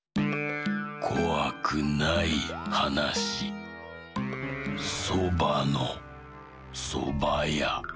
こわくないはなし「そばのそばや」。